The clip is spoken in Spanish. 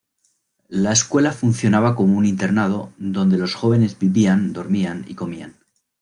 La escuela funcionaba como un internado, donde los jóvenes vivían, dormían y comían.